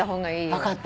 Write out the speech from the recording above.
分かった。